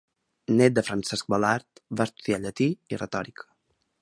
Nét de Francesc Balart, va estudiar llatí i retòrica.